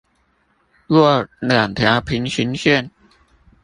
若兩條平行線